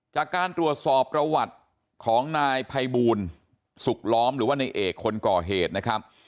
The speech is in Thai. จากการตรวจสอบประวัติของนายภัยบูลสุขล้อมหรือว่าในเอกคนก่อเหตุนะครับ